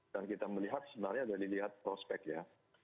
dan kita melihat sebenarnya dari lihat prospek ya